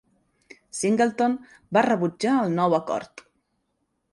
Singleton va rebutjar el nou acord.